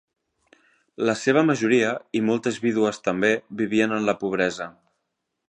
La seva majoria -i moltes vídues també- vivien en la pobresa.